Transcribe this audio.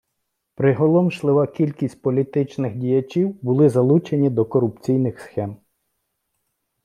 Приголомшлива кількість політичних діячів були залучені до корупційних схем.